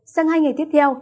sáng hai ngày tiếp theo